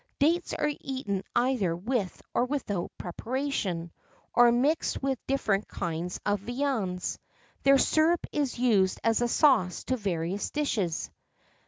Dates are eaten either with or without preparation, or mixed with different kinds of viands. Their syrup is used as a sauce to various dishes.